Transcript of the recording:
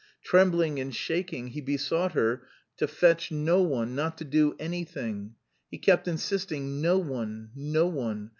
Trembling and shaking, he besought her to fetch no one, not to do anything. He kept insisting, "No one, no one!